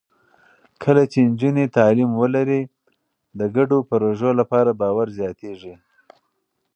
کله چې نجونې تعلیم ولري، د ګډو پروژو لپاره باور زیاتېږي.